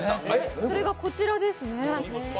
それがこちらですね。